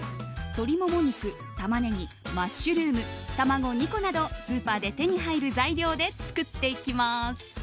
鶏モモ肉、タマネギマッシュルーム、卵２個などスーパーで手に入る材料で作っていきます。